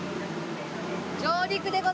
上陸でございまーす。